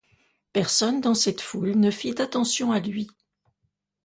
Personne dans cette foule ne fit attention à lui.